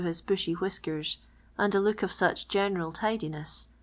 » bushy whisk« rs. and a hx k of § uch general ti^Iinoss ^.